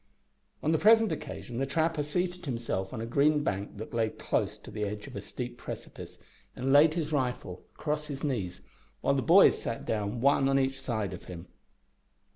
On the present occasion the trapper seated himself on a green bank that lay close to the edge of a steep precipice, and laid his rifle across his knees, while the boys sat down one on each side of him.